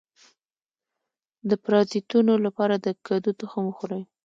د پرازیتونو لپاره د کدو تخم وخورئ